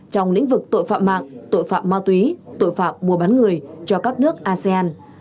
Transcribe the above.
trong lĩnh vực tội phạm mạng tội phạm ma túy tội phạm bùa bắn người cho các nước asean